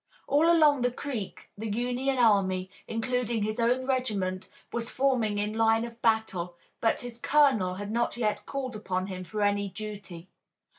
All along the creek the Union army, including his own regiment, was forming in line of battle but his colonel had not yet called upon him for any duty.